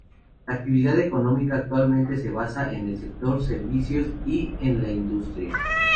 La actividad económica actualmente se basa en el sector servicios y en la industria.